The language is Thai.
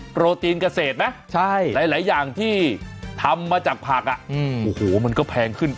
โปรตีนเกษตรไหมหลายอย่างที่ทำมาจากผักโอ้โหมันก็แพงขึ้น